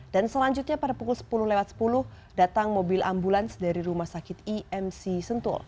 dan selanjutnya pada pukul sepuluh lewat sepuluh datang mobil ambulans dari rumah sakit imc sentul